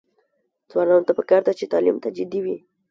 ځوانانو ته پکار ده چې، تعلیم ته جدي وي.